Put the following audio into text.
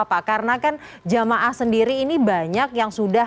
pak karena kan jamaah sendiri ini banyak yang sudah